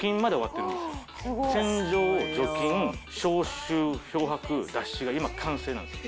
洗浄除菌消臭漂白脱脂が今完成なんです。